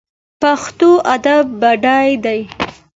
پښتو ادب بډای دی